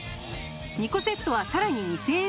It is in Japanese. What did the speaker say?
２個セットはさらに２０００円引き。